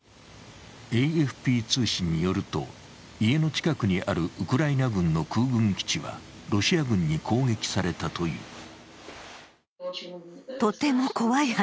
ＡＦＰ通信によりますと、家の近くにあるウクライナ軍の空軍基地はロシア軍に攻撃されたという。